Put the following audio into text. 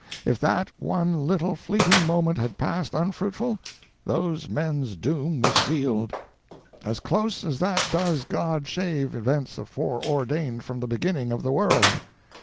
If that one little fleeting moment had passed unfruitful, those men's doom was sealed. As close as that does God shave events foreordained from the beginning of the world.